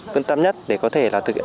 phương tâm nhất để có thể là thực hiện